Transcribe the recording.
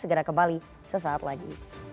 segera kembali sesaat lagi